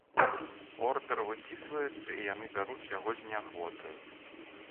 Ордэр выпісваецца, і яны бяруць яго з неахвотаю.